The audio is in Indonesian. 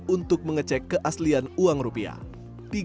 untuk mengecek keaslian uang rupiah